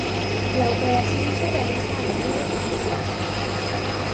La operación se realiza a menudo con un láser.